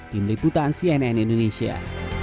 tim liputan cnn indonesia